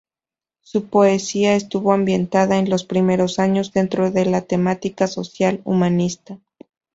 Su poesía estuvo ambientada en los primeros años dentro de la temática social-humanista.